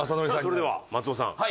さあそれでは松尾さん。